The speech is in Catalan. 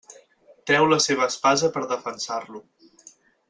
Treu la seva espasa per defensar-lo.